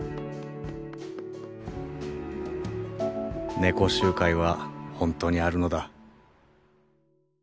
猫集会はほんとにあるのだ。